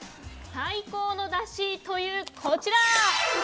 最高のだしという、こちら。